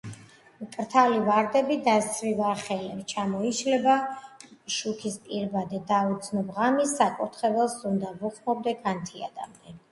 მკრთალი ვარდები დასცვივა ხელებს ჩამოიშლება შუქის პირბადე და უცნობ ღამის საკურთხეველს უნდა ვუხმობდე განთიადამდე